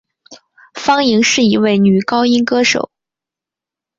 方颖是一位女高音歌手。